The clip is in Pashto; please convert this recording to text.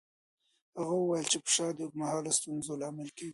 هغه وویل چې فشار د اوږدمهاله ستونزو لامل کېږي.